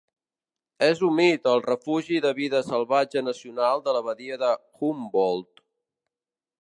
és humit al refugi de vida salvatge nacional de la badia de Humboldt